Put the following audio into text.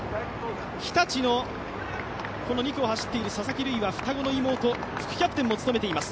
日立の２区を走っている佐々木瑠衣は双子の妹、副キャプテンも務めています。